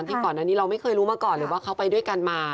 ก่อนอันนี้เราไม่เคยรู้มาก่อนเลยว่าเขาไปด้วยกันมา